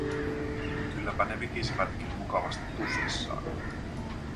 Kylläpä ne vikisivätkin mukavasti tuskissaan.